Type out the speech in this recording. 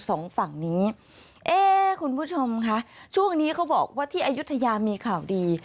สองฝั่งนี้เอ๊คุณผู้ชมคะช่วงนี้เขาบอกว่าที่อายุทยามีข่าวดี